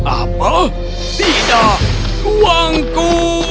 apa tidak kuangku